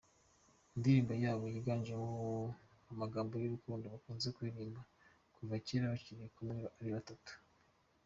Indirimbo yabo yiganjemo amagambo y’urukundo bakunze kuririmba kuva kera bakiri kumwe ari batatu.